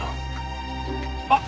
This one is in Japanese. あっ！